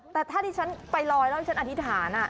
แต่ถ้าที่ฉันไปลอยแล้วฉันอธิษฐาน